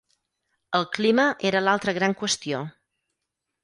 El clima era l’altra gran qüestió.